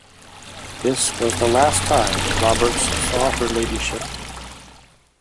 This was the last time Roberts saw her Ladyship.